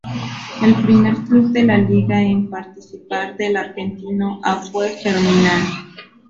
El primer club de la liga en participar del Argentino A fue Germinal.